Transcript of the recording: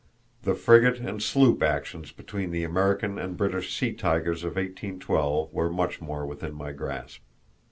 The frigate and sloop actions between the American and British sea tigers of 1812 were much more within my grasp.